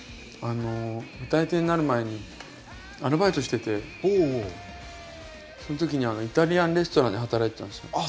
あの歌い手になる前にアルバイトしててその時にイタリアンレストランで働いてたんですよ。